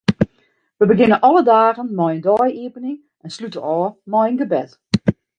Wy begjinne alle dagen mei in dei-iepening en slute ôf mei in gebed.